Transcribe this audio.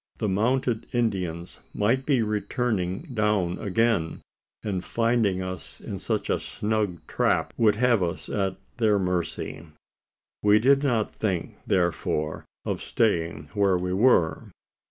The mounted Indians might be returning down again; and, finding us in such a snug trap, would have us at their mercy? We did not think, therefore, of staying where we were.